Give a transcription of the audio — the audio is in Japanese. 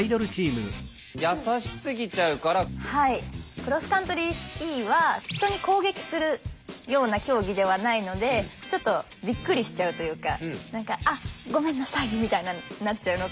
クロスカントリースキーは人に攻撃するような競技ではないのでちょっとびっくりしちゃうというか何か「あっごめんなさい」みたいななっちゃうのかなっていう。